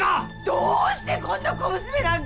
どうしてこんな小娘なんかに。